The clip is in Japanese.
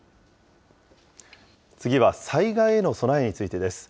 次は災害への備えについてです。